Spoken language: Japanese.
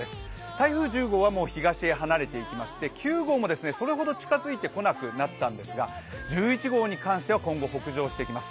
台風１０号はもう東へ離れていきまして９号もそれほど近づいてこなくなったんですが１１号に関しては、今後、北上してきます。